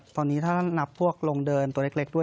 ตอนนี้ถ้านับพวกลงเดินตัวเล็กด้วย